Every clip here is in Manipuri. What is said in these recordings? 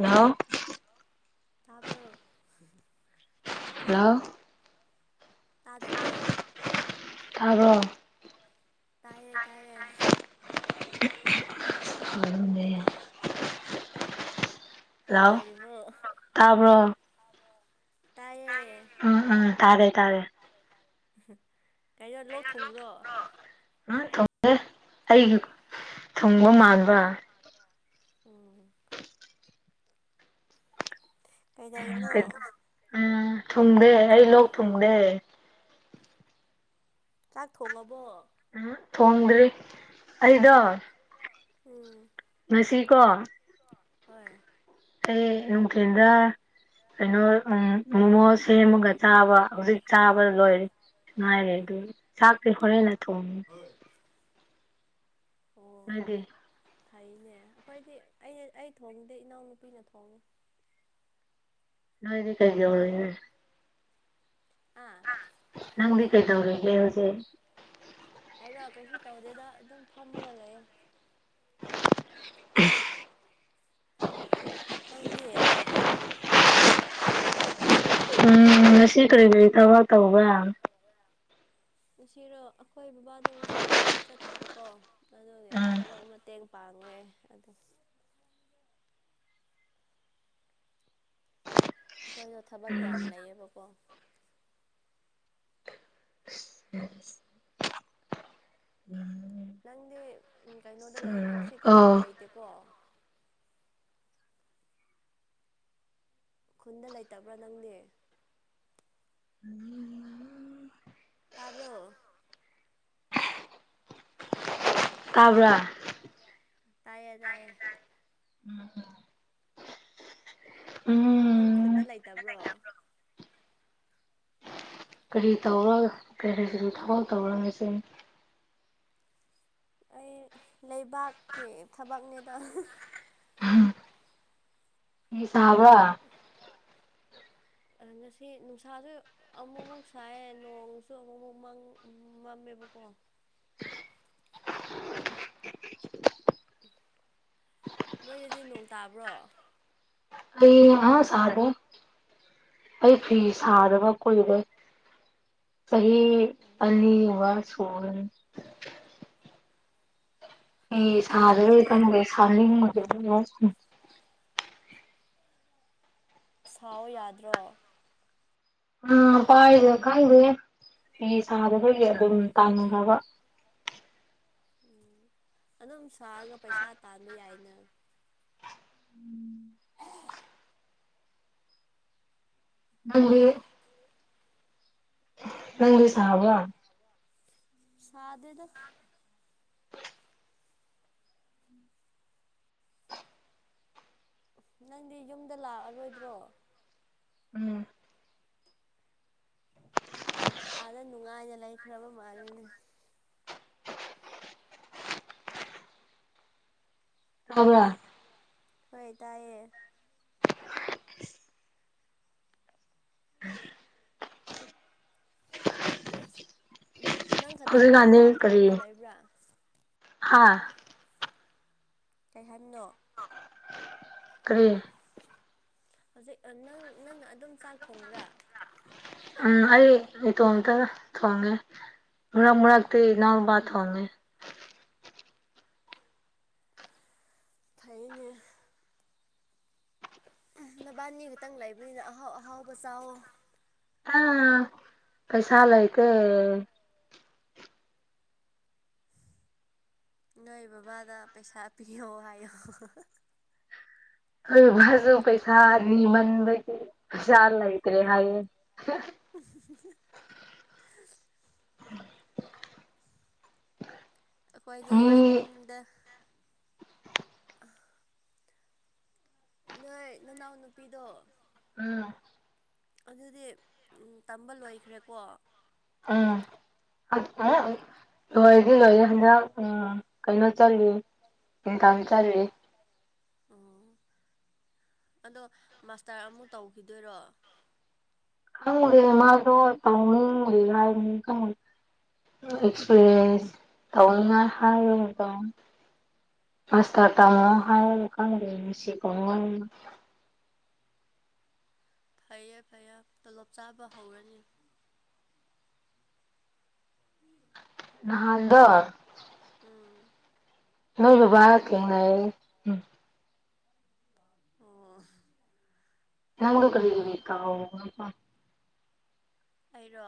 ꯍꯜꯂꯣ ꯇꯥꯕ꯭ꯔꯣ ꯍꯂꯑꯣ ꯇꯥꯗꯕ꯭ꯔꯣ ꯇꯥꯔꯣ ꯇꯥꯏꯌꯦ ꯇꯥꯏꯌꯦ ꯈꯅꯦ ꯂꯑꯣ ꯅꯨꯡꯉꯥꯏꯔꯤꯕꯣ ꯇꯄ꯭ꯔꯣ ꯇꯥꯏꯌꯦꯦ ꯎꯝ ꯎꯝ ꯇꯥꯔꯦ ꯇꯥꯔꯦ ꯀꯩꯅꯩꯅꯣ ꯂꯧ ꯊꯨꯡꯕ꯭ꯔꯣ ꯑ ꯊꯒꯦ ꯑꯩꯒꯤ ꯊꯨꯡꯕ ꯃꯥꯟꯕ ꯎꯝ ꯀꯩꯗꯧꯏꯅꯣ ꯎꯝ ꯊꯨꯡꯗꯦ ꯑꯩ ꯂ ꯊꯨꯡꯗꯦ ꯆꯥꯛ ꯊꯣꯡꯉꯕꯣ ꯑ ꯊꯣꯡꯉꯗ꯭ꯔꯤ ꯑꯩꯗꯣ ꯎꯝ ꯁꯤ ꯀꯣ ꯍꯣꯏ ꯀ ꯅ ꯀꯦꯟꯗ ꯀꯩꯅꯣ ꯎ ꯃꯣꯃꯣ ꯁꯦꯝꯃꯒ ꯆꯥꯕ ꯍꯧꯖꯤꯛ ꯆꯥꯕ ꯂꯣꯏꯔꯦ ꯉꯥꯏꯔꯦ ꯑꯗꯨ ꯆꯥꯛꯇꯤ ꯍꯣꯔꯦꯟꯟꯅ ꯊꯣꯡꯉꯦ ꯑꯣ ꯑꯗꯗꯤ ꯐꯩꯅꯦ ꯑꯩꯈꯣꯏꯗꯤ ꯑꯩꯅ ꯑꯩ ꯊꯣꯡꯗꯦ ꯏꯅꯥꯎꯅꯨꯄꯤꯅ ꯊꯣꯡꯉꯦ ꯅꯣꯏꯗꯤ ꯀꯩꯒꯤꯣꯏ ꯑꯥ ꯑ ꯅꯪ ꯤ ꯀꯩ ꯇꯧ꯭ꯔꯦ ꯏ ꯂꯦ ꯍꯧꯁꯦ ꯑꯩꯔꯣ ꯀꯩꯁꯨ ꯇꯧꯗꯦꯗ ꯑꯗꯨꯝ ꯐꯝꯃꯒ ꯂꯩꯌꯦ [unintelligible] ꯅꯪꯗꯤꯦ ꯎꯝ ꯉꯁꯤ ꯀꯔꯤ ꯀꯔꯤ ꯊꯕ ꯇꯧꯕ ꯌꯥꯝ ꯉꯁꯤꯔꯣ ꯑꯩꯈꯣꯏ ꯕꯕꯥꯗꯣ ꯉꯁꯤ ꯊꯕꯛ ꯆꯠꯇꯕꯀꯣ ꯑꯗꯨꯒꯤ ꯎꯝ ꯊꯕꯛ ꯃꯇꯦꯡ ꯄꯥꯡꯉꯦ ꯑꯗꯨꯝ ꯑꯩꯈꯣꯏꯗꯣ ꯊꯕꯛ ꯌꯥꯝ ꯂꯩꯌꯦꯕꯀꯣ ꯅꯪꯗꯤ ꯎ ꯀꯩꯅꯣꯗ ꯂꯩ ꯑꯁꯤ ꯈꯨꯟꯗ ꯑꯣ ꯂꯩꯇꯦꯀꯣ ꯈꯨꯟꯗ ꯂꯩꯇꯕ꯭ꯔꯥ ꯅꯪꯗꯤ ꯇꯥꯕ꯭ꯔꯣ ꯇꯥꯕ꯭ꯔꯥ ꯇꯥꯏꯌꯦ ꯇꯥꯏꯌꯦ ꯅꯪ ꯈꯨꯟꯗ ꯎꯝ ꯂꯩꯇꯕ꯭ꯔꯣ ꯀꯔꯤ ꯇꯧꯔ ꯀꯔꯤ ꯀꯔꯤ ꯊꯕꯛ ꯇꯧꯔ ꯉꯆ ꯑꯩ ꯂꯩꯕꯥꯛꯀꯤ ꯊꯕꯛꯅꯤꯗ ꯍ ꯁꯥꯕ [unintelligible] ꯉꯁꯤ ꯅꯨꯡꯁꯥꯁꯨ ꯑꯃꯨꯛꯃꯨꯛ ꯁꯥꯏꯌꯦ ꯅꯣꯡꯁꯨ ꯑꯃꯨꯛ ꯑꯃꯨꯛꯪ ꯃꯝꯃꯦꯕ [unintelligible] ꯅꯣꯏꯗꯗꯤ ꯅꯣꯡ ꯇꯥꯕ꯭ꯔꯣ ꯑꯩ ꯑꯥ ꯁꯔ ꯑꯩ ꯐꯤ ꯁꯥꯗꯕ ꯀꯣꯏꯕꯣꯏ ꯆꯍꯤ ꯑꯅꯤꯒꯨꯝꯕ ꯁꯣꯅꯟ ꯀꯩꯅꯣ ꯁꯥꯗꯔ ꯀꯩꯗꯧꯔꯒꯦ ꯑꯣꯏ ꯃꯦ ꯁꯥꯡ ꯃ ꯌꯥ ꯁꯥꯎ ꯌꯥꯗ꯭ꯔꯣ ꯎ ꯄꯥꯏꯗ ꯈꯪꯗꯦ ꯑꯩ ꯁꯥꯗꯈꯒꯤ ꯑꯗꯨꯝ ꯇꯥꯟꯅꯅꯕ ꯎꯝ ꯑꯗꯨꯝ ꯁꯥꯔꯒ ꯄꯩꯁꯥ ꯇꯥꯟꯕ ꯌꯥꯏꯅ ꯎꯝ ꯅꯪꯗꯤ ꯅꯪꯔꯤ ꯁꯥꯕ ꯁꯥꯗꯗ ꯅꯪꯗꯤ ꯌꯨꯝꯗ ꯂꯥꯛꯑꯔꯣꯏꯗ꯭ꯔꯣ ꯎꯝ ꯎ ꯑꯥꯗ ꯅꯨꯡꯉꯥꯏꯅ ꯂꯩꯈ꯭ꯔꯕ ꯃꯥꯜꯂꯤꯅꯦ ꯊꯕ꯭ꯔꯥ ꯍꯣꯏ ꯇꯥꯏꯌꯦ [inaudible] ꯎꯝ ꯅꯪ ꯈꯛꯇꯪ ꯑꯗꯨꯝ ꯍꯧꯖꯤꯛꯀꯥꯟꯗꯤ ꯆꯥꯛ ꯊꯣꯡꯉꯒ ꯂꯩꯕ꯭ꯔꯥ ꯍꯥꯥ ꯀꯩꯍꯟꯅꯣ ꯎ ꯍꯧꯖꯤꯛ ꯅꯪ ꯅꯪꯅ ꯑꯗꯨꯝ ꯆꯥꯛ ꯊꯣꯡꯕ꯭ꯔꯥ ꯎꯝ ꯑꯩ ꯏꯇꯣꯝꯇ ꯊꯣꯡꯉꯦ ꯃꯔ ꯎꯝ ꯃꯔꯒꯇꯩ ꯅ ꯕꯥꯊ ꯍꯦ ꯊꯥꯏꯩꯅ ꯅꯕꯥꯅꯤ ꯈꯛꯇꯪ ꯂꯩꯕꯅꯤꯅ ꯑꯍꯥꯎ ꯑꯍꯥꯎꯕ ꯆꯋꯣ ꯀꯩꯁꯥ ꯑꯂꯑꯀ ꯅꯣꯏ ꯄꯋꯥꯗ ꯄꯩꯁꯥꯄꯤꯌꯣ ꯑꯣ ꯍ ꯃꯥꯁꯨ ꯄꯩꯁꯥ ꯅꯤꯃꯟꯕꯒꯤ ꯄꯩꯖꯥ ꯂꯩꯇ꯭ꯔꯦ ꯍꯥꯏꯌꯦ [inaudible] [inaudible] ꯑꯩꯈꯣꯏꯗꯤ ꯃꯤ ꯌꯨꯝꯗ ꯅꯣꯏ ꯅꯅꯥꯎ ꯅꯨꯄꯤꯗꯣ ꯎꯝ ꯑꯗꯨꯗꯤ ꯇꯝꯕ ꯂꯣꯏꯈ꯭ꯔꯦꯀꯣ ꯎꯝ ꯂꯣꯏꯔꯗꯤ ꯂꯣꯏꯔꯦ ꯍꯟꯗꯥꯡ ꯎꯝ ꯀꯩꯅꯣ ꯆꯜꯂꯤꯠ ꯏꯟꯀꯝ ꯆꯜꯂꯤ ꯑꯣ ꯑꯗꯣ ꯃꯥꯁꯇꯔ ꯑꯃꯨ ꯇꯧꯈꯤꯗꯣꯏꯔꯣ ꯀꯪꯦ ꯃꯥꯁꯨ ꯇꯥꯎꯅꯤ ꯌꯥ ꯀ ꯑꯦꯛꯁꯄꯤꯔꯤꯟꯁ ꯇꯧ ꯍꯥꯏ ꯃꯁꯇ ꯇ ꯑꯣ ꯃꯣ ꯍꯥꯏꯁꯤꯄꯉ ꯐꯩꯌꯦꯦ ꯐꯩꯌꯦꯦ ꯇꯣꯂꯣꯞ ꯆꯥꯕ ꯍꯧꯔꯅꯤ ꯅꯍꯥꯟꯗ ꯎꯝ ꯅꯣꯏꯕꯥꯔ ꯀ ꯑꯣ ꯌꯥꯝ ꯀꯔꯤꯀ ꯑꯩꯔꯣ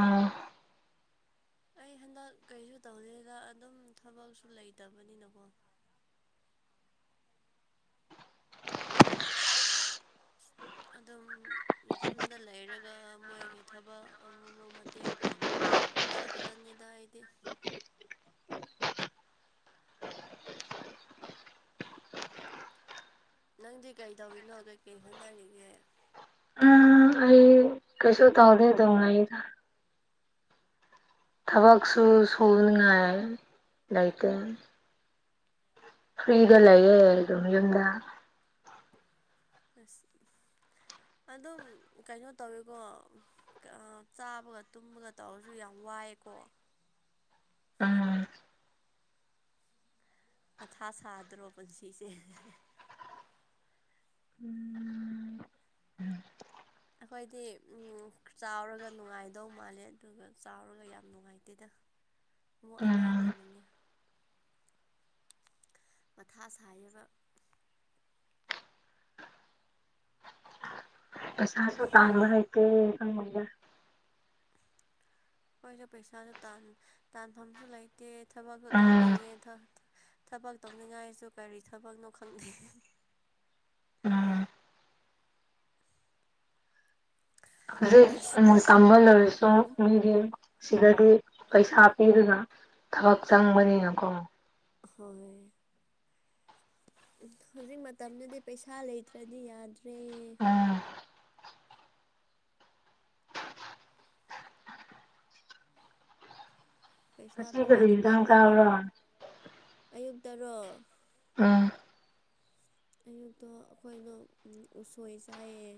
ꯑꯥ ꯑꯩ ꯍꯟꯗꯛ ꯀꯩꯁꯨ ꯇꯧꯔꯤꯗ ꯑꯗꯨꯝ ꯊꯕꯛꯁꯨ ꯂꯩꯇꯕꯅꯤꯅꯀꯣ [inaudible] ꯑꯗꯨꯝ ꯌꯨꯝꯗ ꯂꯩꯔꯒ ꯃꯣꯏꯒꯤ ꯊꯕꯛ ꯑꯃ ꯑꯃꯨꯛ ꯃꯇꯦꯡ ꯄꯥꯡꯕ ꯁꯤ ꯈꯛꯇꯅꯤꯗ ꯑꯩꯗꯤ ꯅꯪꯗꯤ ꯀꯩ ꯇꯧꯔꯤꯅꯣ ꯀꯩꯀꯩ ꯍꯣꯠꯅꯔꯤꯒꯦ ꯎꯝ ꯑꯩ ꯀꯩꯁꯨꯣ ꯇꯧꯗ ꯇꯧꯅꯗ ꯊꯕꯛꯁꯨ ꯎꯝ ꯁꯨꯅꯤꯉꯥꯏ ꯂꯩꯇꯦ ꯐ꯭ꯔꯤꯗ ꯂꯩꯌꯦ ꯑꯗꯨꯝ ꯌꯨꯝꯗ ꯑꯁ ꯑꯗꯨꯝ ꯀꯩꯅꯣ ꯇꯧꯋꯦꯀꯣ ꯆꯥꯕꯒ ꯇꯨꯝꯕꯒ ꯇꯧꯔꯁꯨ ꯌꯥꯝ ꯋꯥꯏꯀꯣ ꯑ ꯃꯊꯥ ꯁꯥꯗ꯭ꯔꯣ ꯄꯨꯟꯁꯤꯁꯦ ꯎꯝ ꯑꯩꯈꯣꯏꯗꯤ ꯆꯥꯎꯔꯒ ꯅꯨꯡꯉꯥꯏꯗꯧ ꯃꯥꯜꯂꯦ ꯑꯗꯨꯒ ꯆꯥꯎꯔꯒ ꯌꯥꯝ ꯅꯨꯡꯉꯥꯏꯇꯦꯗ ꯑꯃꯨꯛ ꯑꯉꯥꯡ ꯎꯝ ꯑꯣꯏꯅꯤꯡꯉꯦ ꯃꯊꯥ ꯁꯥꯏꯒ ꯄꯩꯁꯥꯁꯨ ꯇꯥꯥꯟꯕ ꯀ ꯑꯩꯈꯣꯏꯁꯨ ꯄꯩꯁꯥꯁꯨ ꯇꯥꯟꯐꯝꯁꯨ ꯂꯩꯇꯦ ꯊꯕꯛꯁꯨ ꯎꯝ ꯇꯧꯅꯤꯡꯉꯦ ꯊꯕꯛ ꯇꯧꯅꯤꯡꯉꯥꯏꯁꯨ ꯀꯔꯤ ꯊꯕꯛꯅꯣ ꯈꯪꯗꯦ ꯎꯝ ꯑꯗꯨꯦ ꯑꯁ ꯃ ꯁꯝꯕꯜ ꯂ ꯑꯣꯏ ꯁꯨꯝ ꯃꯤꯒꯤ ꯁꯤꯗꯗꯤ ꯄꯩꯁꯥ ꯄꯤꯗꯨꯅ ꯊꯕꯛ ꯆꯪꯕꯅꯤꯅꯀꯣ ꯍꯣꯏ ꯍꯧꯖꯤꯛ ꯃꯇꯝꯗꯗꯤ ꯄꯩꯁꯥ ꯂꯩꯇ꯭ꯔꯗꯤ ꯌꯥꯗ꯭ꯔꯦ ꯄꯩꯁꯥ ꯑꯁꯤ ꯄꯥꯏꯗꯕ ꯐꯔꯤꯗꯥ ꯀꯕ ꯑꯩꯈꯣꯏꯗꯤ ꯂꯅ ꯑꯌꯨꯛꯇꯔꯣ ꯑ ꯑꯌꯨꯛꯇ ꯑꯩꯈꯣꯏꯗ ꯎꯁꯣꯏ ꯆꯥꯏꯑ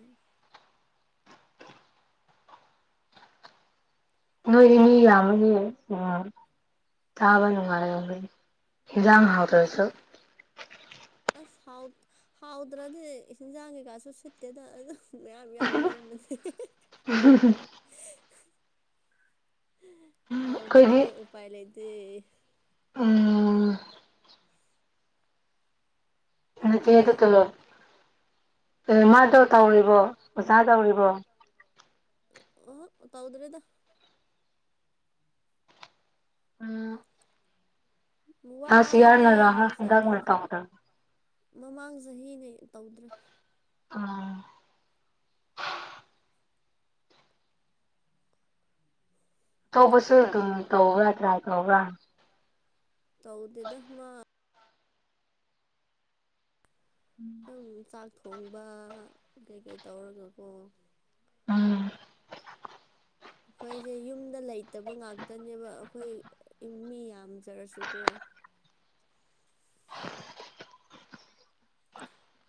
ꯅꯣꯏꯗꯤ ꯃꯤ ꯌꯥꯝꯕꯅꯤ ꯎꯝ ꯆꯥꯕ ꯅꯨꯡꯉꯜꯂꯕꯅꯤ ꯍꯤꯖꯝ ꯍꯥꯥꯎꯗꯔꯁꯨ ꯑꯁ ꯍꯥꯎꯗ꯭ꯔꯗꯤ ꯏꯟꯖꯥꯡ ꯀꯩꯀꯥꯁꯨ ꯁꯤꯠꯇꯦꯗ ꯑꯗꯨ ꯃꯌꯥꯝ ꯌꯥꯝ ꯂꯦꯝꯕꯅꯦ ꯑꯩꯈꯣꯏꯗꯤ ꯍꯥꯎꯗ꯭ꯔꯅꯦ ꯎꯄꯥꯏ ꯂꯩꯗꯤ ꯎꯝ ꯑꯠꯇ ꯇꯠꯇꯂꯣ ꯑꯦ ꯃꯥꯗꯣ ꯇꯧꯔꯤꯕꯣ ꯑꯣꯖꯥ ꯇꯧꯔꯤꯕꯣ ꯑꯣ ꯇꯧꯗ꯭ꯔꯦꯗ ꯎꯝ ꯋꯥꯏ ꯍꯥꯏꯌꯦ ꯑꯣꯖꯥ ꯇꯧꯕꯁꯨ [unintelligible] ꯃꯃꯥꯡ ꯆꯍꯤꯅꯦ ꯇꯧꯗ꯭ꯔꯦ ꯑꯥ ꯇꯧꯕꯁꯨ ꯑꯗꯨꯝ ꯇꯧꯕ꯭ꯔꯥ ꯇ꯭ꯔꯥꯏ ꯇꯧꯕ꯭ꯔꯥ ꯇꯧꯗꯤꯗ ꯃꯥ ꯑꯗꯨꯝ ꯆꯥꯛ ꯊꯣꯡꯕ ꯀꯩꯀꯩ ꯇꯧꯔꯒꯀꯣ ꯎꯝ ꯑꯩꯈꯣꯏꯁꯦ ꯌꯨꯝꯗ ꯂꯩꯇꯕ ꯉꯥꯛꯇꯅꯦꯕ ꯑꯩꯈꯣꯏ ꯃꯤ ꯌꯥꯝꯖꯔꯁꯨꯀꯣ [unintelligible]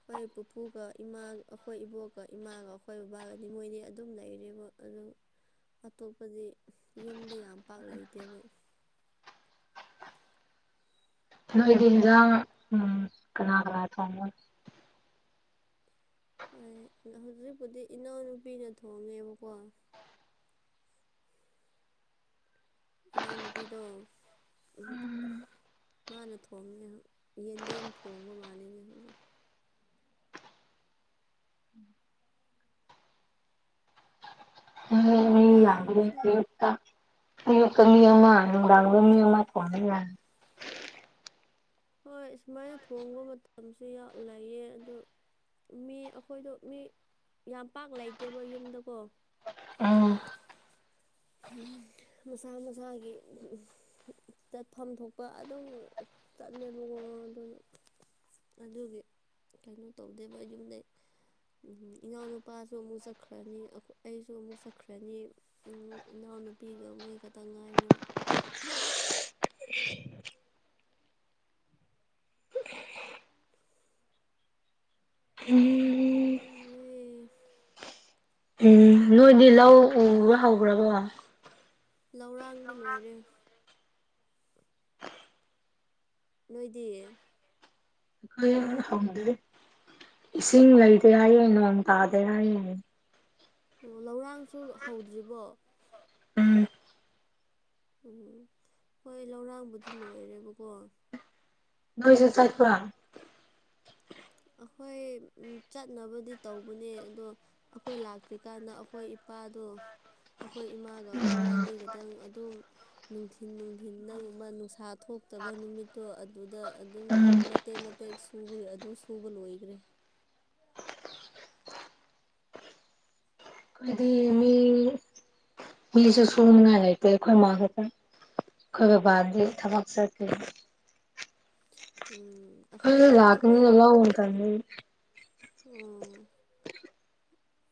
ꯑꯩꯈꯣꯏ ꯄꯨꯄꯨꯒ ꯏꯃꯥ ꯑꯩꯈꯣꯏ ꯏꯕꯣꯛꯀ ꯏꯃꯥꯒ ꯑꯩꯈꯣꯏ ꯕꯕꯥꯒꯗꯤ ꯃꯣꯏꯅꯤ ꯑꯗꯨꯝ ꯂꯩꯔꯦꯕ ꯑꯗꯨ ꯑꯇꯣꯞꯄꯗꯤ ꯌꯨꯝꯗ ꯌꯥꯝ ꯄꯥꯛ ꯂꯩꯇꯦꯕ ꯅꯣꯏꯗꯤꯖ ꯎꯝ ꯀꯅꯥ ꯀꯅꯥ ꯇꯣꯡꯉ ꯍꯣꯏ ꯍꯧꯖꯤꯛꯄꯨꯗꯤ ꯏꯅꯥꯎꯅꯨꯄꯤꯅ ꯊꯣꯡꯉꯦꯕꯀꯣ ꯏꯩꯅꯎ ꯅꯨꯄꯤꯗ ꯃꯥꯅ ꯊꯣꯡꯉꯦ ꯌꯦꯟꯗꯦꯝ ꯊꯣꯡꯕ ꯃꯥꯅꯤꯡꯉꯦ ꯍꯧꯖꯤꯛ ꯎꯝ ꯌꯦꯟꯖꯥꯡꯁꯨ ꯌꯥꯛꯇ ꯀꯃꯤ ꯔꯒꯃꯤ ꯀꯅꯤ ꯌꯥ ꯍꯣꯏ ꯁꯨꯃꯥꯏꯅ ꯊꯣꯡꯕ ꯃꯇꯝꯁꯨ ꯂꯩꯌꯦ ꯑꯗꯨ ꯃꯤ ꯑꯩꯈꯣꯏꯗꯣ ꯃꯤ ꯌꯥꯝ ꯄꯥꯛ ꯂꯩꯇꯦꯕ ꯌꯨꯝꯗꯀꯣ ꯑꯥ ꯎꯝ ꯃꯁꯥ ꯃꯁꯥꯒꯤ ꯆꯠꯐꯝ ꯊꯣꯛꯄ ꯑꯗꯨꯝ ꯆꯠꯂꯦꯕꯀꯣ ꯑꯗꯨꯅ ꯑꯗꯨꯒꯤ ꯀꯩꯅꯣ ꯇꯧꯗꯦꯕ ꯌꯨꯝꯗꯩ ꯎ ꯏꯅꯥꯎꯅꯨꯄꯥꯁꯨ ꯑꯃꯨꯛ ꯆꯠꯈ꯭ꯔꯅꯤ ꯑꯩꯁꯨ ꯑꯃꯨꯛ ꯆꯠꯈ꯭ꯔꯅꯤ ꯎ ꯏꯅꯥꯎꯅꯨꯄꯤꯒ ꯃꯣꯏ ꯈꯛꯇ ꯉꯥꯏꯔꯦꯕ ꯎꯝ ꯑꯗꯨ ꯎꯝ ꯅꯣꯏꯗꯤ ꯂꯧ ꯎꯕ꯭ꯔꯥ ꯍꯕ꯭ꯔꯥꯕꯣ ꯂꯧꯔꯥꯡꯗꯤ ꯂꯣꯏꯔꯦ ꯅꯣꯏꯗꯤ ꯀꯅ ꯍꯥꯎꯗ ꯏꯁꯤꯡ ꯂꯩꯗ ꯍꯥꯏꯏꯌꯦ ꯅꯣꯡ ꯇꯥꯗ ꯍꯥꯏꯏꯌꯦ ꯑꯣ ꯂꯧꯔꯥꯡꯁꯨ ꯍꯧꯗ꯭ꯔꯤꯕꯣ ꯎꯝ ꯎꯝ ꯍꯣꯏ ꯂꯧꯔꯥꯡꯕꯨꯗꯤ ꯂꯣꯏꯔꯦꯕꯀꯣ ꯖꯔ ꯆꯠꯄ ꯑꯩꯈꯣꯏ ꯆꯠꯅꯕꯗꯤ ꯇꯧꯕꯅꯦ ꯑꯗꯣ ꯑꯩꯈꯣꯏ ꯂꯥꯛꯇ꯭ꯔꯤꯀꯥꯟꯗ ꯑꯩꯈꯣꯏ ꯏꯄꯥꯗꯣ ꯇ ꯑꯩꯈꯣꯏ ꯏꯃꯥꯒ ꯎꯝ ꯃꯕꯥꯅꯤꯒꯗꯪ ꯑꯗꯨꯝ ꯅꯨꯡꯊꯤꯟ ꯅꯨꯡꯊꯤꯒꯨꯝꯕ ꯅꯨꯡꯁꯥ ꯊꯣꯛꯇꯕ ꯅꯨꯃꯤꯠꯇꯣ ꯑꯗꯨꯗ ꯑꯗꯨꯝ ꯎꯝ ꯃꯇꯦꯛ ꯃꯇꯦꯛ ꯁꯨꯕꯒꯤ ꯑꯗꯨ ꯁꯨꯕ ꯂꯣꯏꯈ꯭ꯔꯦ ꯀꯗꯤ ꯃꯤ ꯃꯤꯁ ꯁꯨꯉꯂꯩꯇ ꯈꯣꯏ ꯃꯥꯒ ꯑꯩꯈꯣꯏ ꯕꯥꯥꯟꯗꯤ ꯊꯕꯛ ꯆꯠꯀ ꯎꯝ ꯐ ꯑꯩꯈꯣꯏ ꯑꯩꯈꯣꯏ ꯂꯥꯛꯀꯅꯤꯂ ꯍꯟ ꯇꯅꯤ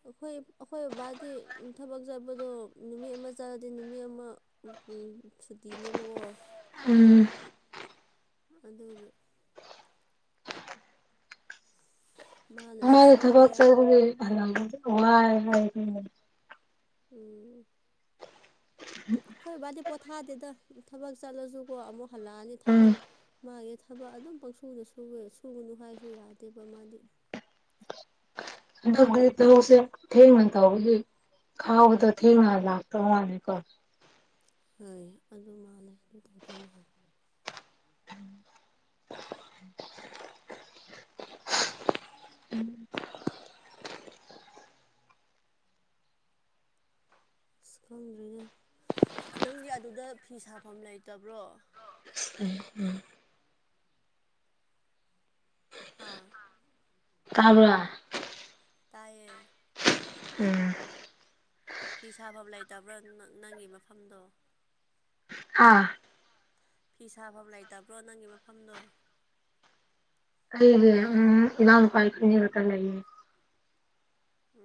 ꯑꯣ ꯑꯩꯈꯣꯏ ꯑꯩꯈꯣꯏ ꯕꯕꯥꯗꯤ ꯊꯕꯛ ꯆꯠꯄꯗꯣ ꯅꯨꯃꯤꯠ ꯑꯃ ꯆꯥꯔꯗꯤ ꯅꯨꯃꯤꯠ ꯑꯃ ꯎꯝ ꯁꯨꯇꯤꯅꯦꯕꯀꯣ ꯎꯝ ꯑꯗꯨꯒꯤ ꯃꯥꯅꯁꯨ ꯁꯨꯑꯦ ꯊꯕꯛ [unintelligible] ꯎꯝ ꯈꯣꯏ ꯕꯥꯗꯤ ꯄꯣꯊꯥꯗꯦꯗ ꯊꯕꯛ ꯆꯠꯂꯁꯨꯀꯣ ꯑꯃꯨꯛ ꯍꯜꯂꯛꯑꯅꯤ ꯊꯕꯛ ꯃꯥꯒꯤ ꯊꯕꯛ ꯑꯗꯨꯝ ꯄꯪꯁꯨꯗ ꯁꯨꯦ ꯁꯨꯒꯅꯨ ꯍꯥꯏꯁꯨ ꯌꯥꯗꯦꯕ ꯃꯥꯗꯤ ꯑꯗꯨꯗꯤ ꯊꯕꯛ ꯁꯦ [unintelligible] ꯈꯥꯎꯗ ꯊꯦꯡꯅꯥ ꯂꯥꯛꯄ ꯃꯥꯜꯂꯦ ꯀꯣ ꯍꯣꯏ ꯑꯗꯨ ꯃꯥꯜꯂꯦ ꯑꯗꯨ ꯇꯧꯗꯧ ꯃꯥꯜꯂꯦ ꯎꯝ ꯎꯝ ꯑꯁ ꯈꯪꯗ꯭ꯔꯦ ꯗ ꯅꯪꯗꯤ ꯑꯗꯨꯗ ꯐꯤ ꯁꯥꯐꯝ ꯂꯩꯇꯕ꯭ꯔꯣ ꯎꯝ ꯎꯝ ꯍꯥꯥ ꯇꯥꯕꯔ ꯇꯌꯦ ꯎꯝ ꯐꯤ ꯁꯥꯐꯝ ꯂꯩꯇꯕ꯭ꯔꯣ ꯅꯪꯒꯤ ꯃꯐꯝꯗꯣ ꯑꯥ ꯐꯤ ꯁꯥꯐꯝ ꯂꯩꯇꯕ꯭ꯔꯣ ꯅꯪꯒꯤ ꯃꯐꯝꯗꯣ ꯑꯩꯒꯦ ꯎꯝ ꯏꯅꯥꯎ ꯑꯈꯣꯏꯅꯤ ꯈꯛꯇꯪ ꯂꯩꯌꯦ ꯎꯝ